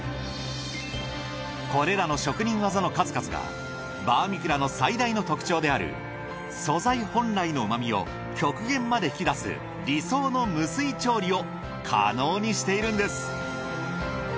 これらの職人技の数々がバーミキュラの最大の特徴である素材本来の旨みを極限まで引き出す理想の無水調理を可能にしているんです。